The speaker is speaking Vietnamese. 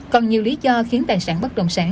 còn nhiều lý do khiến tài sản bất động sản